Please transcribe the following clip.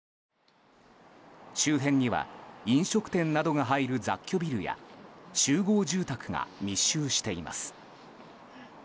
周辺には飲食店などが入る雑居ビルや集合住宅が密集しています。